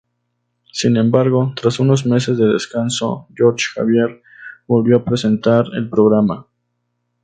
Sin embargo, tras unos meses de descanso, Jorge Javier volvió a presentar el programa.